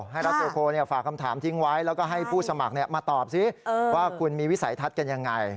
รัฐโยโคฝากคำถามทิ้งไว้แล้วก็ให้ผู้สมัครมาตอบสิว่าคุณมีวิสัยทัศน์กันยังไง